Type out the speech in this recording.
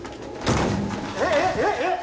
えっ？えっ？えっ？えっ？